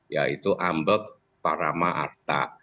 yaitu ambek parama arta